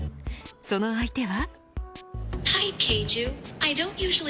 その相手は。